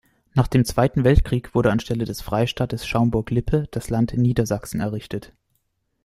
Nach dem Zweiten Weltkrieg wurde anstelle des Freistaates Schaumburg-Lippe das Land Niedersachsen errichtet.